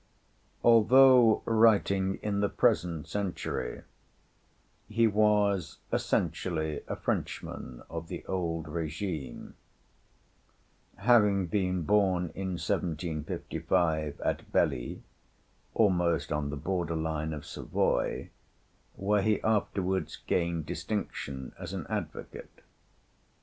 Although writing in the present century, he was essentially a Frenchman of the old régime, having been born in 1755 at Belley, almost on the border line of Savoy, where he afterwards gained distinction as an advocate.